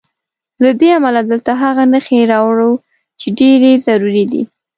له دې امله دلته هغه نښې راوړو چې ډېرې ضروري دي.